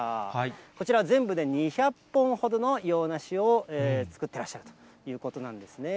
こちらは全部で２００本ほどの洋梨を作ってらっしゃるということなんですね。